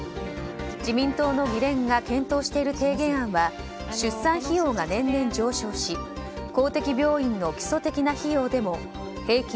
自民党の議連が検討している提言案は出産費用が年々上昇し公的病院の基礎的な費用でも平均